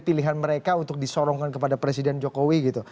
pilihan mereka untuk disorongkan kepada presiden jokowi gitu